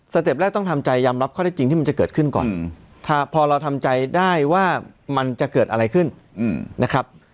เต็ปแรกต้องทำใจยอมรับข้อได้จริงที่มันจะเกิดขึ้นก่อนพอเราทำใจได้ว่ามันจะเกิดอะไรขึ้นนะครับ